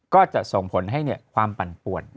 ก็จะส่งผลให้ความปั่นป่วน